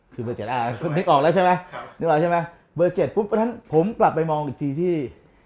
คือเบอร์๗นึกออกแล้วใช่ไหมเบอร์๗ปุ๊บวันนั้นผมกลับไปมองอีกทีที่